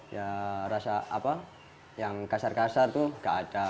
ya rasa apa yang kasar kasar tuh gak ada